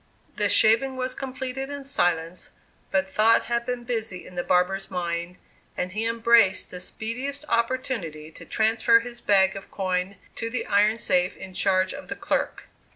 The shaving was completed in silence, but thought had been busy in the barber's mind, and he embraced the speediest opportunity to transfer his bag of coin to the iron safe in charge of the clerk.